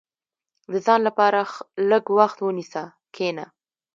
• د ځان لپاره لږ وخت ونیسه، کښېنه.